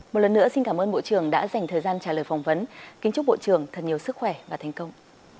một lần nữa xin cảm ơn bộ trưởng đã dành thời gian trả lời phỏng vấn kính chúc bộ trưởng thật nhiều sức khỏe và thành công